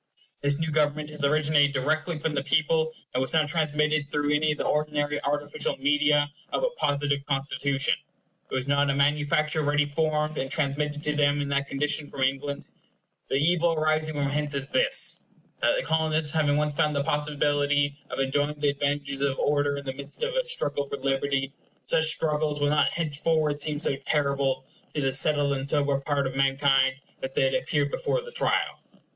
This new government has originated directly from the people, and was not transmitted through any of the ordinary artificial media of a positive constitution. It was not a manufacture ready formed, and transmitted to them in that condition from England. The evil arising from hence is this; that the Colonists having once found the possibility of enjoying the advantages of order in the midst of a struggle for liberty, such struggles will not henceforward seem so terrible to the settled and sober part of mankind as they had appeared before the trial.